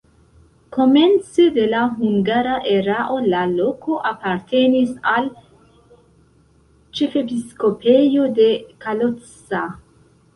Komence de la hungara erao la loko apartenis al ĉefepiskopejo de Kalocsa.